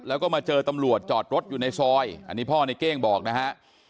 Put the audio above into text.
แล้วก็มาเจอตำรวจจอดรถอยู่ในซอยอันนี้พ่อในเก้งบอกนะฮะ